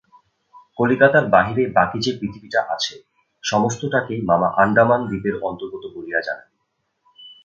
কলিকাতার বাহিরে বাকি যে পৃথিবীটা আছে সমস্তটাকেই মামা আণ্ডামান দ্বীপের অন্তর্গত বলিয়া জানেন।